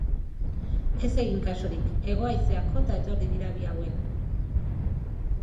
Ez egin kasurik, hego haizeak jota etorri dira bi hauek.